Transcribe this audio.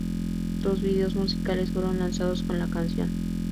Dos videos musicales fueron lanzados con la canción.